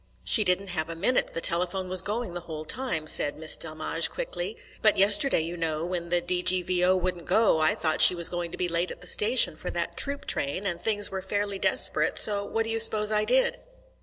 "She didn't have a minute; the telephone was going the whole time," said Miss Delmege quickly. "But yesterday, you know, when the D.G.V.O. wouldn't go, I thought she was going to be late at the station for that troop train, and things were fairly desperate, so what d'you suppose I did?"